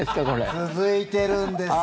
続いてるんです。